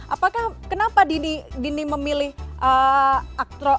apakah kenapa dini memilih aktif